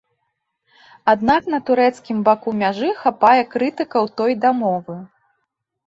Аднак на турэцкім баку мяжы хапае крытыкаў той дамовы.